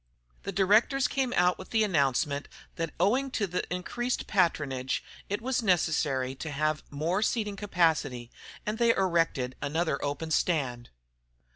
The directors came out with an announcement that, owing to the increased patronage, it was necessary to have more seating capacity, and they erected another open stand.